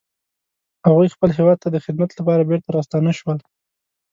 هغوی خپل هیواد ته د خدمت لپاره بیرته راستانه شول